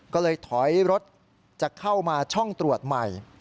ก็เลยถอยรถจะเข้ามาช่องตรวจใหม่